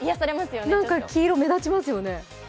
黄色、目立ちますよね。